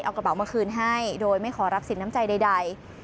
เอากระเป๋ามาคืนให้โดยไม่ขอรับสินน้ำใจใด